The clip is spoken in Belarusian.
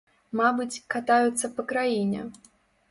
Мабыць, катаюцца па краіне.